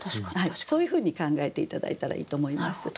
そういうふうに考えて頂いたらいいと思います。